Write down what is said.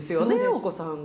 お子さんが。